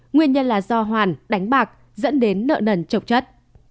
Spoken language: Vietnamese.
nguyên nhân là do hoàn đánh bạc dẫn đến nợ nần chộc chất